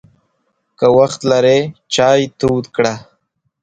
که وخت لرې، چای تود کړه!